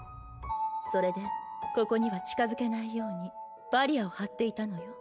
それでここには近づけないようにバリアを張っていたのよ。